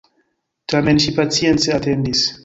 Tamen ŝi pacience atendis.